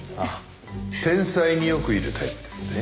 天才によくいるタイプですね。